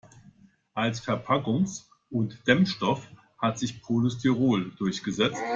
Als Verpackungs- und Dämmstoff hat sich Polystyrol durchgesetzt.